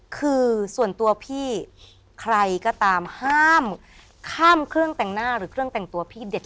คือส่วนตัวพี่ใครก็ตามห้ามข้ามเครื่องแต่งหน้าหรือเครื่องแต่งตัวพี่เด็ด